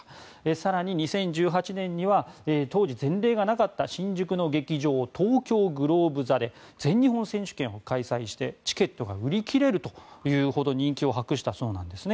更に２０１８年には当時前例がなかった新宿の劇場、東京グローブ座で全日本選手権を開催してチケットが売り切れるというほど人気を博したそうなんですね。